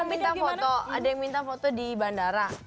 kemaren lucu banget ada yang minta foto di bandara